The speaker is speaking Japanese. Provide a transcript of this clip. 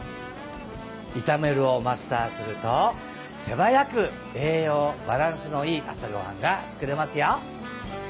「いためる」をマスターすると手早く栄養バランスのいい朝ごはんが作れますよ！